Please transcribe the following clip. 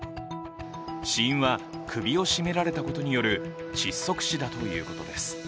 死因は首を絞められたことによる窒息死だということです。